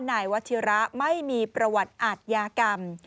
นายวัชิระไม่มีประวัติอาทยากรรม